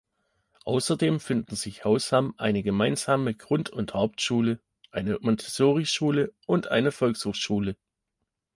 Außerdem finden sich Hausham eine gemeinsame Grund- und Hauptschule, eine Montessori-Schule und eine Volkshochschule.